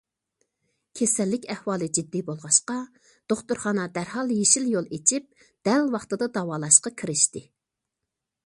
كېسەللىك ئەھۋالى جىددىي بولغاچقا، دوختۇرخانا دەرھال يېشىل يول ئېچىپ، دەل ۋاقتىدا داۋالاشقا كىرىشتى.